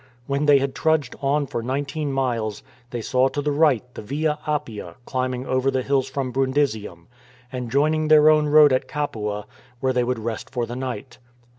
When they had trudged on for nineteen miles they saw to the right the Via Appia climbing over the hills from Brundisium, and joining their own road at Capua, where they would rest for the night.